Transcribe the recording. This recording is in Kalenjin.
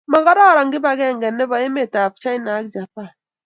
Magogororon kibagenge nebo emetab China ago Japan